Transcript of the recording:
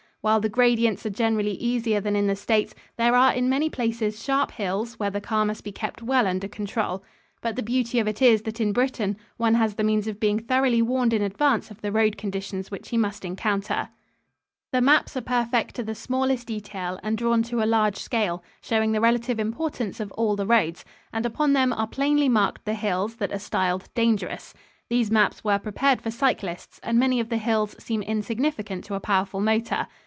While the gradients are generally easier than in the States, there are in many places sharp hills where the car must be kept well under control. But the beauty of it is that in Britain one has the means of being thoroughly warned in advance of the road conditions which he must encounter. The maps are perfect to the smallest detail and drawn to a large scale, showing the relative importance of all the roads; and upon them are plainly marked the hills that are styled "dangerous." These maps were prepared for cyclists, and many of the hills seem insignificant to a powerful motor.